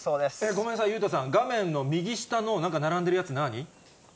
ごめんなさい、裕太さん、画面の右下の、なんか並んでるやつ、何？